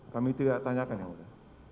kami tidak tanyakan yang mulia